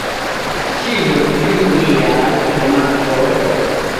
Kio pri niaj tomatoj?